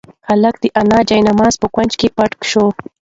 هلک د انا د جاینماز په کونج کې پټ شو.